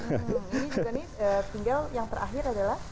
ini juga nih tinggal yang terakhir aja